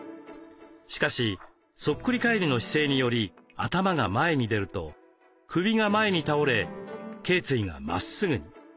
しかしそっくり返りの姿勢により頭が前に出ると首が前に倒れけい椎がまっすぐに。